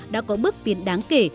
đã có bước tiến đáng kể